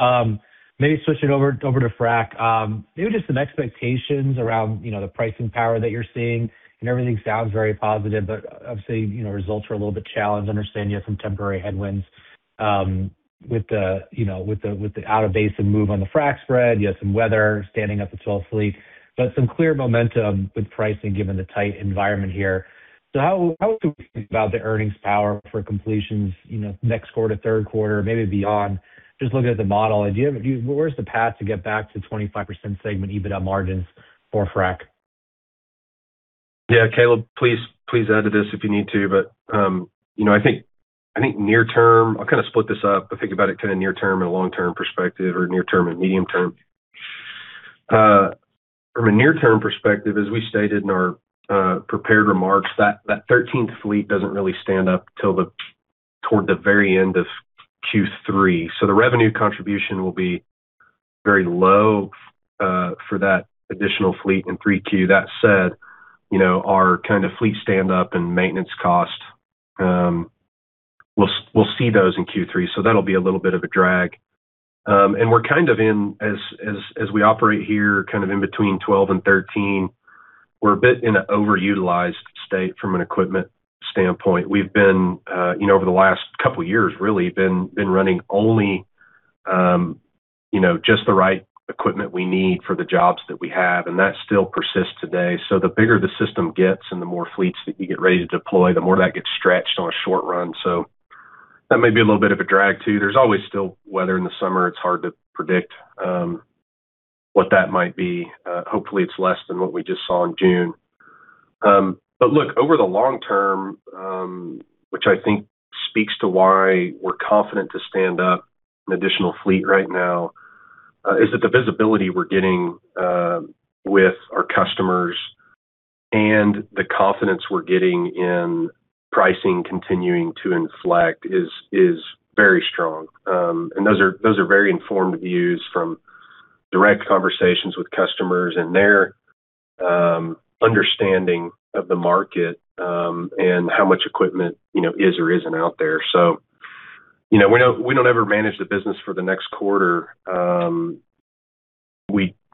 Maybe switching over to frac. Maybe just some expectations around the pricing power that you're seeing. I mean, everything sounds very positive, but obviously results are a little bit challenged. I understand you have some temporary headwinds with the out-of-basin move on the frac spread. You have some weather standing up the 12th fleet, but some clear momentum with pricing given the tight environment here. How do we think about the earnings power for completions, next quarter, third quarter, maybe beyond? Just looking at the model, where's the path to get back to 25% segment EBITDA margins for frac? Caleb, please edit this if you need to. I think near term, I'll kind of split this up. I think about it kind of near term and long term perspective, or near term and medium term. From a near-term perspective, as we stated in our prepared remarks, that 13th fleet doesn't really stand up toward the very end of Q3. The revenue contribution will be very low for that additional fleet in 3Q. That said, our kind of fleet stand up and maintenance cost, we'll see those in Q3, so that'll be a little bit of a drag. We're kind of in as we operate here, kind of in between 12 and 13, we're a bit in an overutilized state from an equipment standpoint. We've been, over the last couple of years, really been running only just the right equipment we need for the jobs that we have, and that still persists today. The bigger the system gets and the more fleets that we get ready to deploy, the more that gets stretched on a short run. That may be a little bit of a drag, too. There's always still weather in the summer. It's hard to predict what that might be. Hopefully, it's less than what we just saw in June. Look, over the long term, which I think speaks to why we're confident to stand up an additional fleet right now, is that the visibility we're getting with our customers and the confidence we're getting in pricing continuing to inflect is very strong. Those are very informed views from direct conversations with customers and their understanding of the market and how much equipment is or isn't out there. We don't ever manage the business for the next quarter.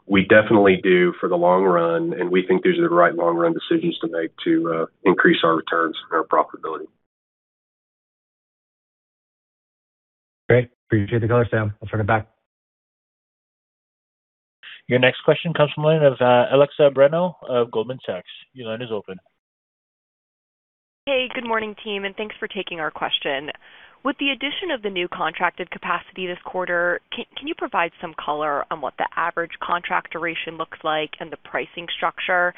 We definitely do for the long run, and we think these are the right long-run decisions to make to increase our returns and our profitability. Great. Appreciate the color, Sam. I'll turn it back. Your next question comes from the line of [Alexa Brenno] of Goldman Sachs. Your line is open. Hey, good morning, team, thanks for taking our question. With the addition of the new contracted capacity this quarter, can you provide some color on what the average contract duration looks like and the pricing structure?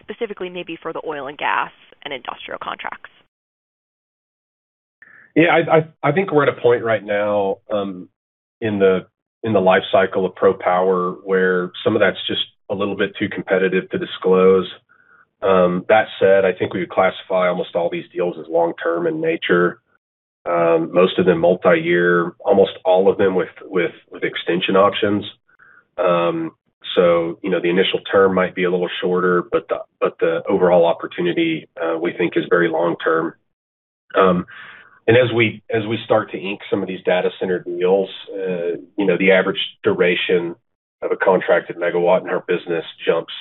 Specifically maybe for the oil and gas and industrial contracts. I think we're at a point right now in the life cycle of PROPWR where some of that's just a little bit too competitive to disclose. That said, I think we would classify almost all these deals as long term in nature, most of them multi-year, almost all of them with extension options. The initial term might be a little shorter, but the overall opportunity, we think is very long-term. As we start to ink some of these data center deals, the average duration of a contract at megawatt in our business jumps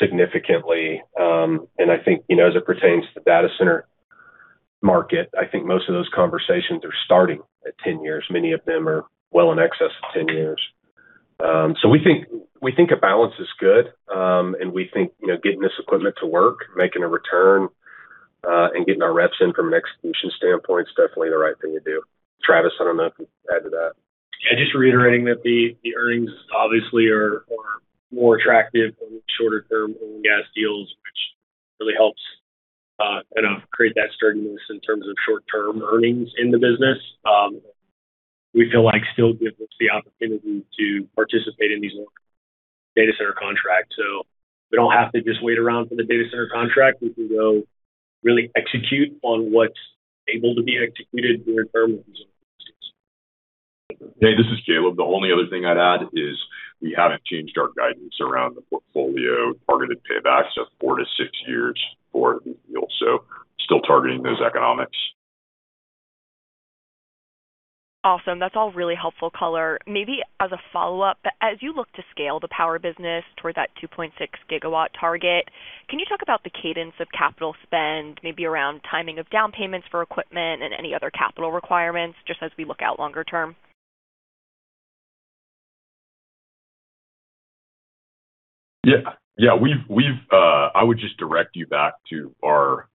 significantly. I think, as it pertains to the data center market, I think most of those conversations are starting at 10 years. Many of them are well in excess of 10 years. We think a balance is good, and we think getting this equipment to work, making a return, and getting our reps in from an execution standpoint is definitely the right thing to do. Travis, I don't know if you can add to that. Yeah, just reiterating that the earnings obviously are more attractive on the shorter-term oil and gas deals, which really helps kind of create that sturdiness in terms of short-term earnings in the business. We feel like still gives us the opportunity to participate in these data center contracts. We don't have to just wait around for the data center contract. We can go really execute on what's able to be executed. Hey, this is Caleb. The only other thing I'd add is we haven't changed our guidance around the portfolio targeted payback, four to six years for the deal. Still targeting those economics. Awesome. That's all really helpful color. Maybe as a follow-up, as you look to scale the power business toward that 2.6 GW target, can you talk about the cadence of capital spend, maybe around timing of down payments for equipment and any other capital requirements, just as we look out longer term? Yeah. I would just direct you back to our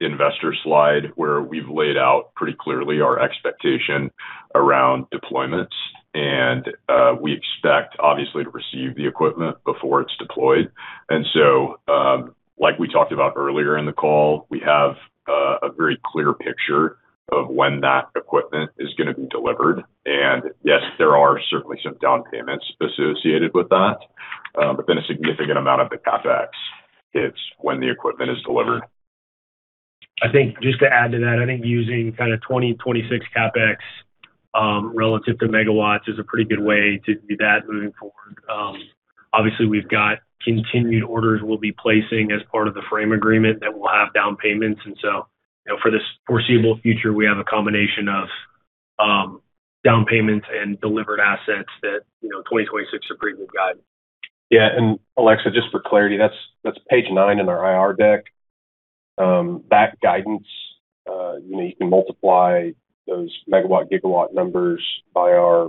investor slide, where we've laid out pretty clearly our expectation around deployments. We expect obviously to receive the equipment before it's deployed. Like we talked about earlier in the call, we have a very clear picture of when that equipment is going to be delivered. Yes, there are certainly some down payments associated with that. A significant amount of the CapEx hits when the equipment is delivered. I think just to add to that, I think using kind of 2026 CapEx, relative to megawatts is a pretty good way to do that moving forward. Obviously, we've got continued orders we'll be placing as part of the frame agreement that will have down payments. For this foreseeable future, we have a combination of down payments and delivered assets that 2026 is a pretty good guide. Yeah. Alexa, just for clarity, that's page nine in our IR deck. That guidance, you can multiply those megawatt, gigawatt numbers by our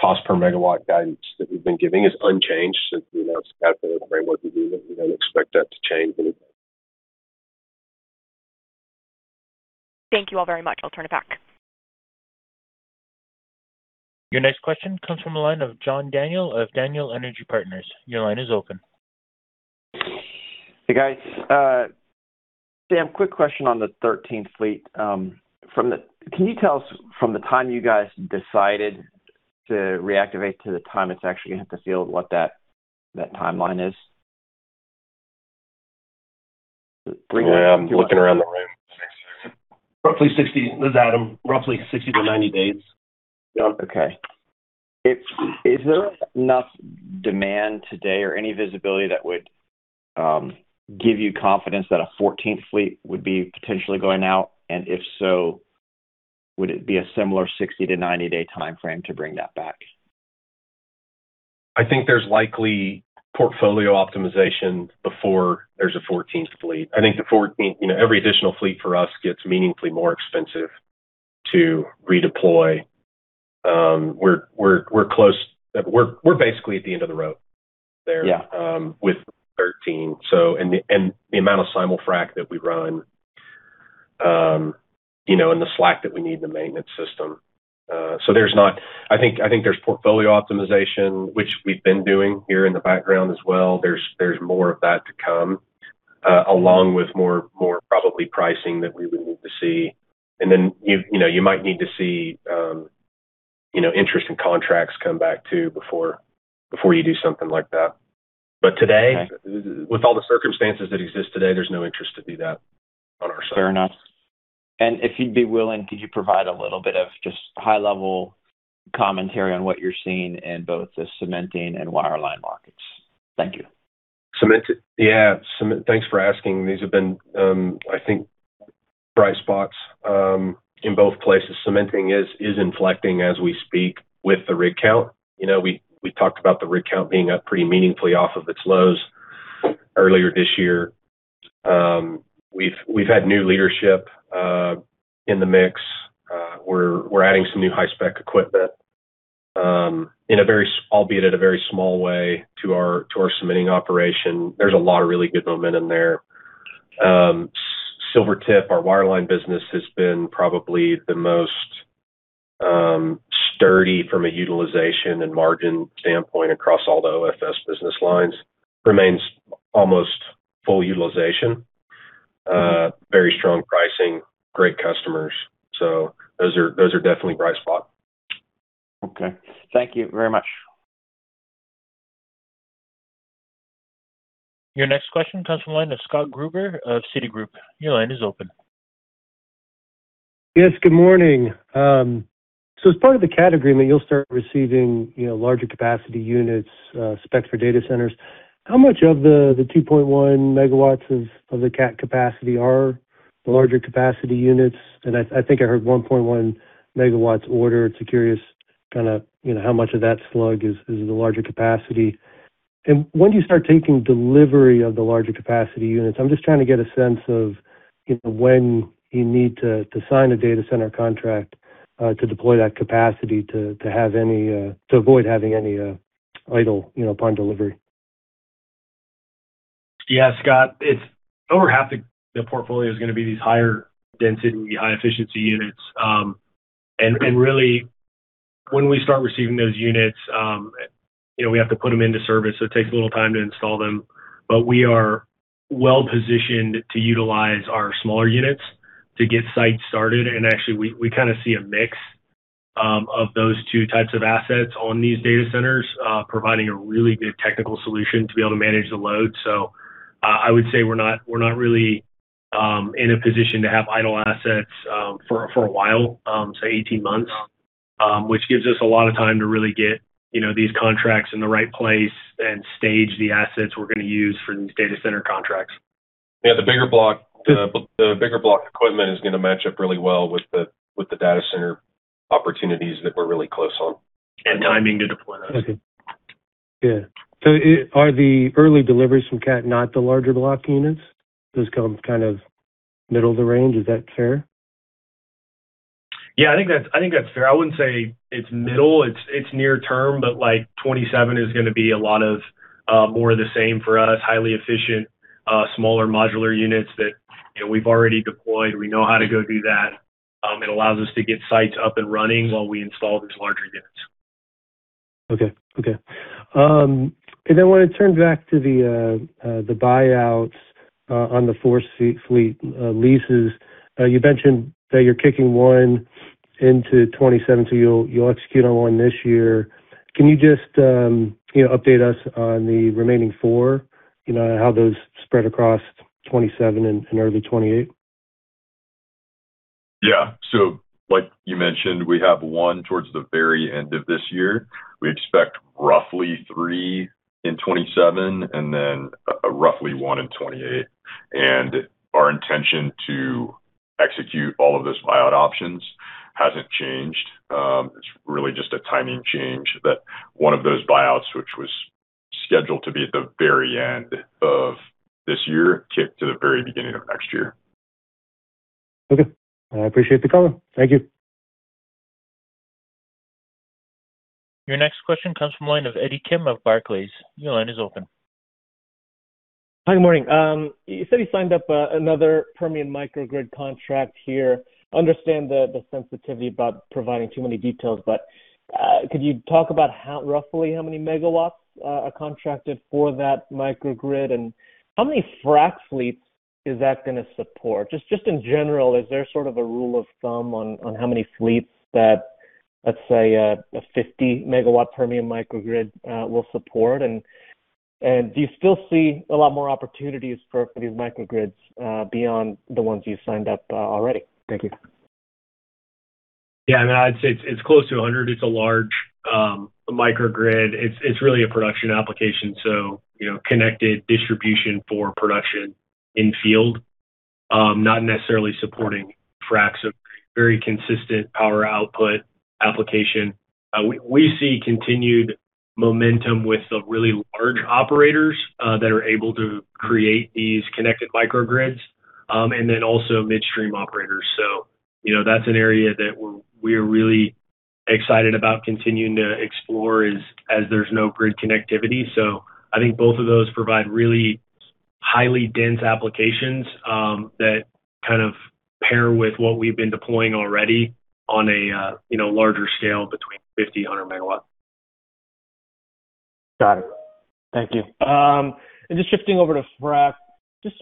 cost per megawatt guidance that we've been giving. It's unchanged since we announced capital framework. We don't expect that to change any. Thank you all very much. I'll turn it back. Your next question comes from the line of John Daniel of Daniel Energy Partners. Your line is open. Hey, guys. Sam, quick question on the 13th fleet. Can you tell us from the time you guys decided to reactivate to the time it's actually going to hit the field what that timeline is? Yeah. I'm looking around the room. This is Adam. Roughly 60-90 days. Okay. Is there enough demand today or any visibility that would give you confidence that a 14th fleet would be potentially going out? If so, would it be a similar 60-90-day time frame to bring that back? I think there's likely portfolio optimization before there's a 14th fleet. I think every additional fleet for us gets meaningfully more expensive to redeploy. We're basically at the end of the road there. Yeah With 13, and the amount of simul-frac that we run, and the slack that we need in the maintenance system. I think there's portfolio optimization, which we've been doing here in the background as well. There's more of that to come, along with more probably pricing that we would need to see. Then you might need to see interest in contracts come back, too, before you do something like that. Okay With all the circumstances that exist today, there's no interest to do that on our side. Fair enough. If you'd be willing, could you provide a little bit of just high-level commentary on what you're seeing in both the cementing and wireline markets? Thank you. Yes. Thanks for asking. These have been, I think, bright spots, in both places. Cementing is inflecting as we speak with the rig count. We talked about the rig count being up pretty meaningfully off of its lows earlier this year. We have had new leadership in the mix. We are adding some new high-spec equipment, albeit in a very small way to our cementing operation. There is a lot of really good momentum there. Silvertip, our wireline business, has been probably the most sturdy from a utilization and margin standpoint across all the OFS business lines. Remains almost full utilization. Very strong pricing, great customers. Those are definitely bright spots. Okay. Thank you very much. Your next question comes from the line of Scott Gruber of Citigroup. Your line is open. Yes, good morning. As part of the CAT agreement, you will start receiving larger capacity units, specs for data centers. How much of the 2.1 MW of the CAT capacity are the larger capacity units? I think I heard 1.1 MW ordered, so curious how much of that slug is in the larger capacity. When do you start taking delivery of the larger capacity units? I am just trying to get a sense of when you need to sign a data center contract, to deploy that capacity to avoid having any idle upon delivery. Scott, over half the portfolio is going to be these higher density, high efficiency units. Really when we start receiving those units, we have to put them into service, so it takes a little time to install them. We are well-positioned to utilize our smaller units to get sites started. Actually, we kind of see a mix of those two types of assets on these data centers, providing a really good technical solution to be able to manage the load. I would say we're not really in a position to have idle assets for a while, say 18 months, which gives us a lot of time to really get these contracts in the right place and stage the assets we're going to use for these data center contracts. Yeah, the bigger block equipment is going to match up really well with the data center opportunities that we're really close on. Timing to deploy those. Okay. Yeah. Are the early deliveries from CAT not the larger block units? Those come kind of middle of the range. Is that fair? Yeah, I think that's fair. I wouldn't say it's middle, it's near term, but 2027 is going to be a lot more of the same for us. Highly efficient, smaller modular units that we've already deployed. We know how to go do that. It allows us to get sites up and running while we install these larger units. Okay. Then when it turns back to the buyouts on the four fleet leases, you mentioned that you're kicking one into 2027, so you'll execute on one this year. Can you just update us on the remaining four, how those spread across 2027 and early 2028? Yeah. Like you mentioned, we have one towards the very end of this year. We expect roughly three in 2027 and then roughly one in 2028. Our intention to execute all of those buyout options hasn't changed. It's really just a timing change that one of those buyouts, which was scheduled to be at the very end of this year, kicked to the very beginning of next year. Okay. I appreciate the call. Thank you. Your next question comes from the line of Eddie Kim of Barclays. Your line is open. Hi. Good morning. You said you signed up another Permian microgrid contract here. Understand the sensitivity about providing too many details, but could you talk about roughly how many megawatts are contracted for that microgrid, and how many frac fleets is that going to support? Just in general, is there sort of a rule of thumb on how many fleets that, let's say, a 50 MW Permian microgrid will support? Do you still see a lot more opportunities for these microgrids, beyond the ones you've signed up already? Thank you. Yeah, I'd say it's close to 100 MW. It's a large microgrid. It's really a production application, so connected distribution for production in field, not necessarily supporting fracs, a very consistent power output application. We see continued momentum with the really large operators that are able to create these connected microgrids, and then also midstream operators. That's an area that we're really excited about continuing to explore as there's no grid connectivity. I think both of those provide really highly dense applications that kind of pair with what we've been deploying already on a larger scale between 50 MW, 100 MW. Got it. Thank you. Just shifting over to frac, just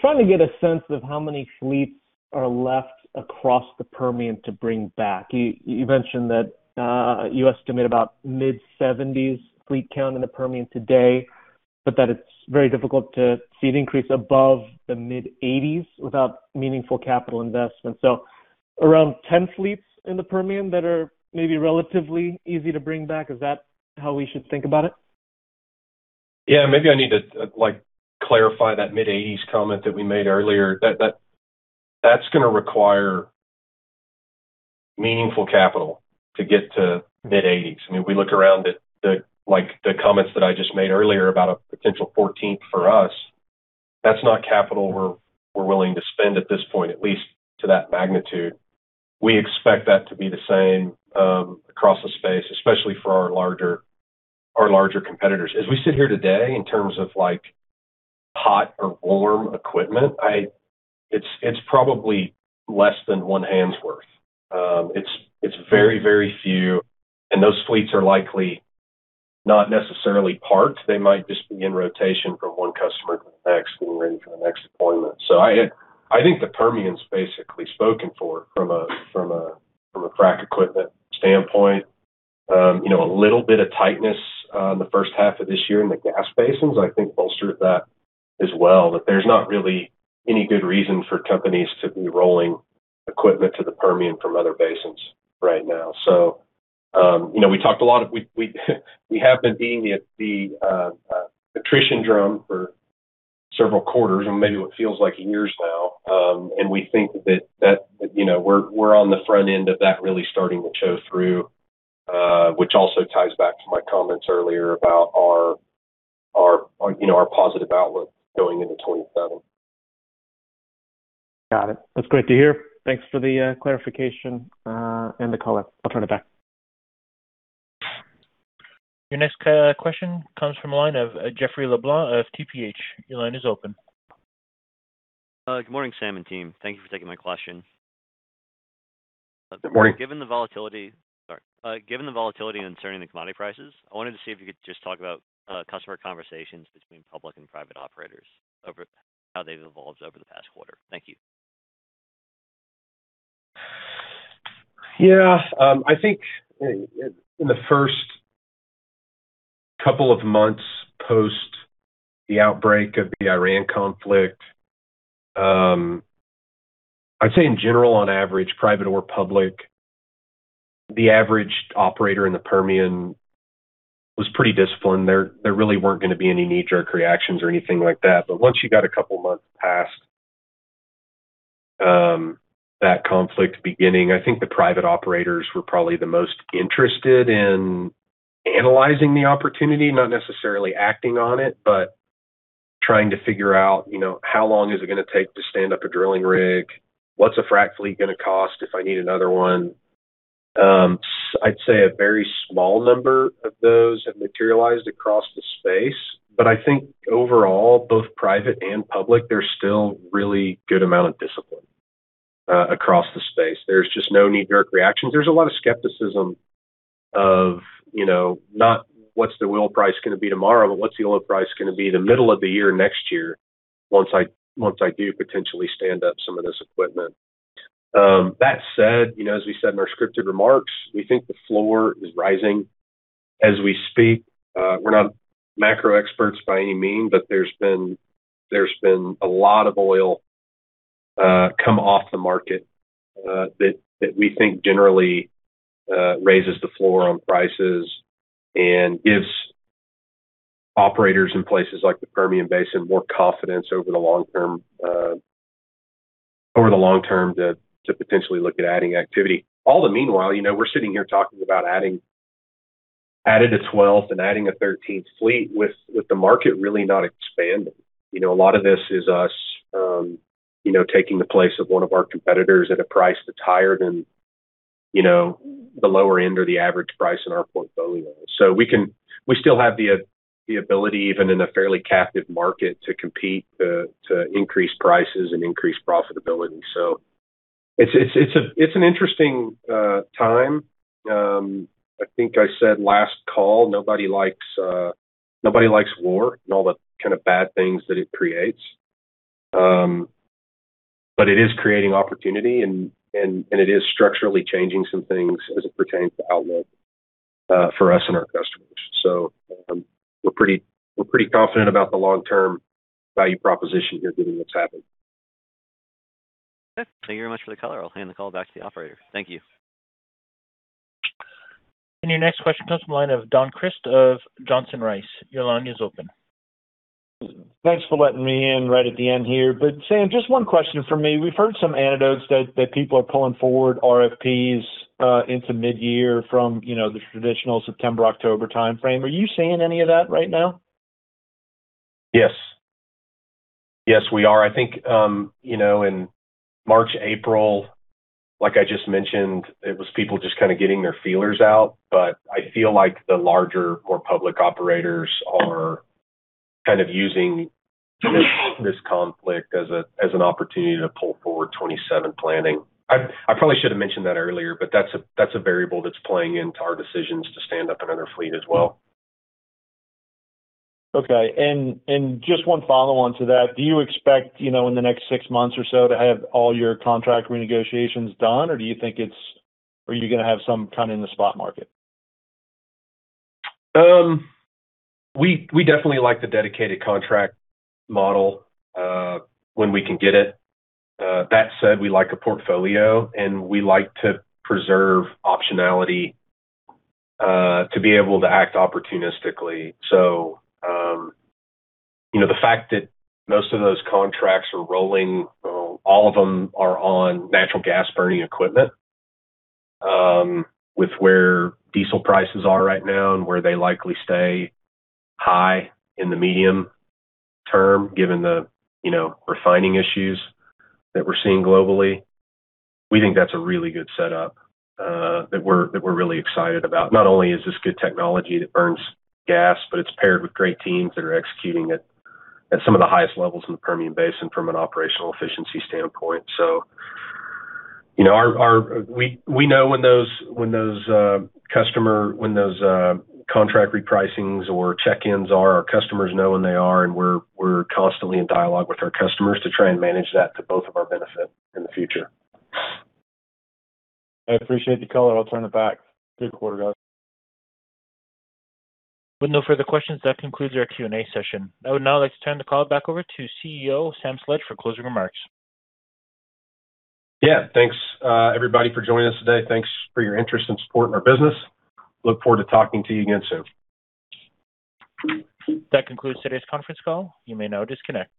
trying to get a sense of how many fleets are left across the Permian to bring back. You mentioned that you estimate about mid-70s fleet count in the Permian today, but that it's very difficult to see an increase above the mid-80s without meaningful capital investment. Around 10 fleets in the Permian that are maybe relatively easy to bring back, is that how we should think about it? Maybe I need to clarify that mid-80s comment that we made earlier. That's going to require meaningful capital to get to mid-80s. We look around at the comments that I just made earlier about a potential 14th for us. That's not capital we're willing to spend at this point, at least to that magnitude. We expect that to be the same across the space, especially for our larger competitors. As we sit here today in terms of hot or warm equipment, it's probably less than one hand's worth. It's very, very few, and those fleets are likely not necessarily parked. They might just be in rotation from one customer to the next, getting ready for the next deployment. I think the Permian's basically spoken for from a frac equipment standpoint. A little bit of tightness in the first half of this year in the gas basins, I think bolstered that as well, that there's not really any good reason for companies to be rolling equipment to the Permian from other basins right now. We have been beating the attrition drum for several quarters, and maybe what feels like years now. We think that we're on the front end of that really starting to show through, which also ties back to my comments earlier about our positive outlook going into 2027. Got it. That's great to hear. Thanks for the clarification and the color. I'll turn it back. Your next question comes from the line of Jeff LeBlanc of TPH. Your line is open. Good morning, Sam and team. Thank you for taking my question. Good morning. Given the volatility and uncertainty in the commodity prices, I wanted to see if you could just talk about customer conversations between public and private operators, over how they've evolved over the past quarter. Thank you. Yeah. I think in the first couple of months post the outbreak of the Iran conflict, I'd say in general, on average, private or public, the average operator in the Permian was pretty disciplined. There really weren't going to be any knee-jerk reactions or anything like that. Once you got a couple months past that conflict beginning, I think the private operators were probably the most interested in analyzing the opportunity, not necessarily acting on it, but trying to figure out, how long is it going to take to stand up a drilling rig? What's a frack fleet going to cost if I need another one? I'd say a very small number of those have materialized across the space. I think overall, both private and public, there's still really good amount of discipline across the space. There's just no knee-jerk reactions. There's a lot of skepticism of not, what's the oil price going to be tomorrow, but what's the oil price going to be in the middle of the year next year once I do potentially stand up some of this equipment? That said, as we said in our scripted remarks, we think the floor is rising as we speak. We're not macro experts by any means, but there's been a lot of oil come off the market, that we think generally raises the floor on prices and gives operators in places like the Permian Basin more confidence over the long term to potentially look at adding activity. All the meanwhile, we're sitting here talking about adding a 12th and adding a 13th fleet with the market really not expanding. A lot of this is us taking the place of one of our competitors at a price that's higher than the lower end or the average price in our portfolio. We still have the ability, even in a fairly captive market, to compete to increase prices and increase profitability. It's an interesting time. I think I said last call, nobody likes war and all the kind of bad things that it creates. It is creating opportunity and it is structurally changing some things as it pertains to outlook for us and our customers. We're pretty confident about the long-term value proposition here given what's happened. Okay. Thank you very much for the color. I'll hand the call back to the operator. Thank you. Your next question comes from the line of Don Crist of Johnson Rice. Your line is open. Thanks for letting me in right at the end here. Sam, just one question from me. We've heard some anecdotes that people are pulling forward RFPs into mid-year from the traditional September, October timeframe. Are you seeing any of that right now? Yes. Yes, we are. I think, in March, April, like I just mentioned, it was people just kind of getting their feelers out. I feel like the larger, more public operators are kind of using this conflict as an opportunity to pull forward 2027 planning. I probably should have mentioned that earlier. That's a variable that's playing into our decisions to stand up another fleet as well. Okay. Just one follow-on to that. Do you expect, in the next six months or so, to have all your contract renegotiations done, or are you going to have some kind of in the spot market? We definitely like the dedicated contract model, when we can get it. That said, we like a portfolio and we like to preserve optionality, to be able to act opportunistically. The fact that most of those contracts are rolling, all of them are on natural gas burning equipment, with where diesel prices are right now and where they likely stay high in the medium term, given the refining issues that we're seeing globally. We think that's a really good setup that we're really excited about. Not only is this good technology that burns gas, it's paired with great teams that are executing it at some of the highest levels in the Permian Basin from an operational efficiency standpoint. We know when those contract repricings or check-ins are, our customers know when they are, and we're constantly in dialogue with our customers to try and manage that to both of our benefit in the future. I appreciate the color. I'll turn it back. Good quarter, guys. With no further questions, that concludes our Q&A session. I would now like to turn the call back over to CEO, Sam Sledge, for closing remarks. Yeah. Thanks, everybody for joining us today. Thanks for your interest and support in our business. Look forward to talking to you again soon. That concludes today's conference call. You may now disconnect.